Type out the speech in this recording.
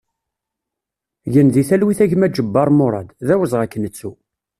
Gen di talwit a gma Ǧebbar Murad, d awezɣi ad k-nettu!